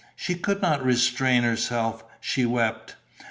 She could not restrain herself, she wept.